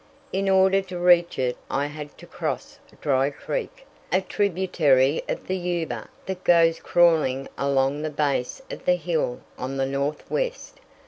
In order to reach it I had to cross Dry Creek, a tributary of the Yuba that goes crawling along the base of the hill on the northwest.